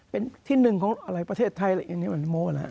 เป็นที่หนึ่งของแบบอะไรประเทศไทยอย่างนี้มมโมกันครับ